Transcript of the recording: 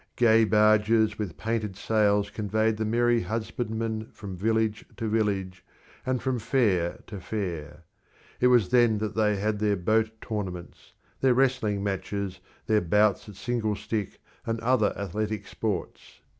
Gay barges with painted sails conveyed the merry husbandmen from village to village and from fair to fair. It was then that they had their boat tournaments, their wrestling matches, their bouts at single stick and other athletic sports.